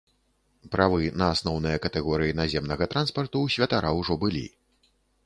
Правы на асноўныя катэгорыі наземнага транспарту ў святара ўжо былі.